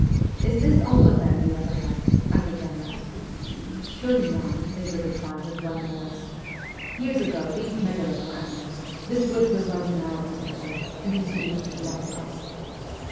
" Is this all the land you ever held ?" I would then ask. "Surely not," they would reply with one voice; "years ago these meadows were ours ; this wood was once in our possession ; and these fields belonged to us."